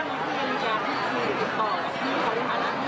คือถ้าแบบคือทุกอย่างมันเป็นการหลักกันของคนมันสอบส่วนมันนะ